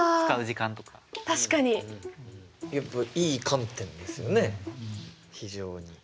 いい観点ですよね非常に。